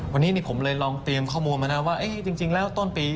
วันนี้ผมเลยลองเตรียมข้อมูลมานะว่าจริงแล้วต้นปี